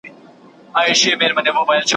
له اسمانه درته زرکي راولمه ,